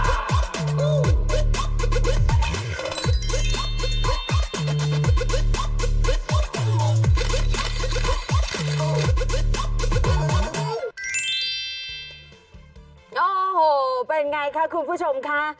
โอ้โหเป็นอย่างไรค่ะคุณผู้ชมคะ